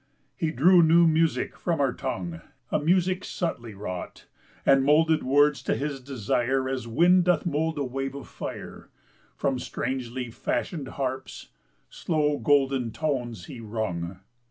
He drew new music from our tongue, A music subtly wrought, And moulded words to his desire, As wind doth mould a wave of fire; From strangely fashioned harps slow golden tones he wrung.